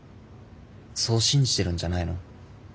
そう信じてるんじゃないの。